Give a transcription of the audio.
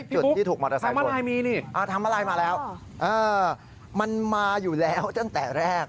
จุดที่ถูกมอเตอร์ไซค์ชนทำอะไรมาแล้วมันมาอยู่แล้วตั้งแต่แรก